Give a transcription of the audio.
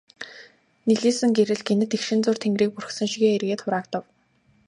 Нэлийсэн гэрэл гэнэт эгшин зуур тэнгэрийг бүрхсэн шигээ эргээд хураагдав.